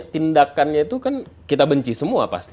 tindakannya itu kan kita benci semua pasti